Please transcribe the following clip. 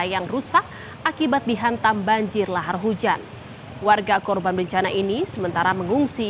yang rusak akibat dihantam banjir lahar hujan warga korban bencana ini sementara mengungsi